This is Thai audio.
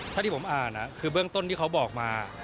ถ้าที่ผมอ่านคือเบื้องต้นที่เขาบอกมา